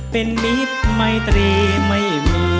เป็นมิตรไม่ตรีไม่มีวันลืม